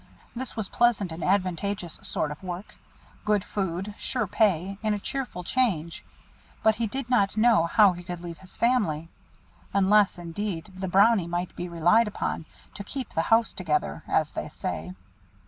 This was pleasant and advantageous sort of work; good food, sure pay, and a cheerful change; but he did not know how he could leave his family, unless, indeed, the Brownie might be relied upon to "keep the house together," as they say.